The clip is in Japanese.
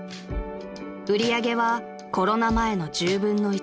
［売り上げはコロナ前の１０分の１］